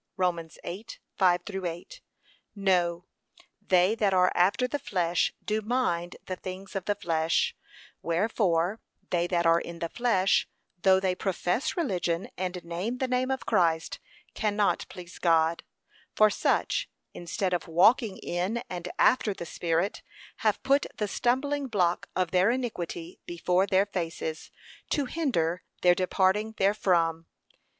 (Rom. 8:5 8) No, they that are after the flesh do mind the things of the flesh; wherefore they that are in the flesh, though they profess religion and name the name of Christ, cannot please God; for such, instead of walking in and after the Spirit, have put the stumbling block of their iniquity before their faces, to hinder their departing therefrom.